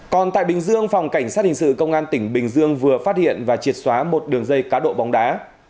còn tại bình dương phòng cảnh sát hình sự công an tỉnh bình dương vừa phát hiện và triệt xóa một đường dây cá độ bóng đá